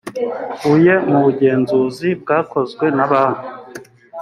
uye mu bugenzuzi bwakozwe na banki